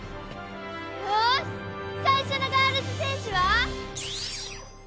よし最初のガールズ×戦士は？